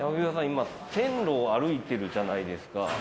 今線路を歩いてるじゃないですか。